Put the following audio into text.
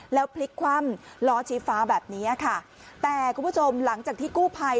แล้วพลิกคว่ำล้อชี้ฟ้าแบบนี้ค่ะแต่คุณผู้ชมหลังจากที่กู้ภัย